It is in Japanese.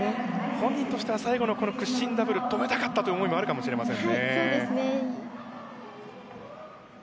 本人としては最後の屈身ダブルは止めたかったという思いもあるかもしれません。